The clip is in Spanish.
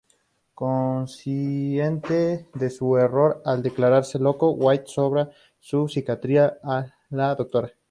Consciente de su error al declararse loco, White soborna a su psiquiatra, la Dra.